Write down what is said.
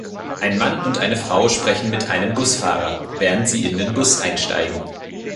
Ein Mann und eine Frau sprechen mit einem Busfahrer, während sie in den Bus einsteigen.